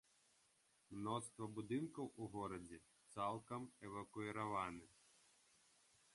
Мноства будынкаў у горадзе цалкам эвакуіраваны.